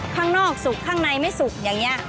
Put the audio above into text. ข้างนอกสุกข้างในไม่สุกอย่างนี้